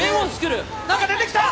何か出てきた！